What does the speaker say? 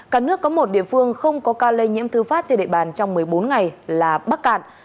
cả nước có một địa phương không có ca lây nhiễm thư phát trên địa bàn trong một mươi bốn ngày là bắc cạn